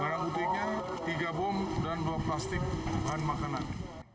barang buktinya tiga bom dan dua plastik bahan makanan